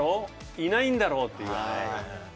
「いないんだろ？」っていうあれ。